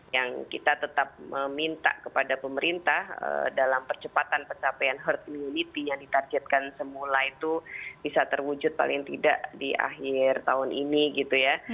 yang kita tetap meminta kepada pemerintah dalam percepatan pencapaian herd immunity yang ditargetkan semula itu bisa terwujud paling tidak di akhir tahun ini gitu ya